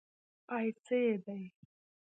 پايڅۀ دې.